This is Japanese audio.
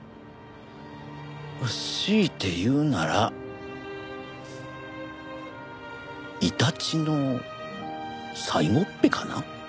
強いて言うなら鼬の最後っ屁かな。